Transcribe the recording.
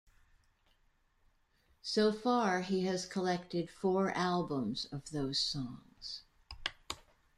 So far, he has collected four albums of those songs.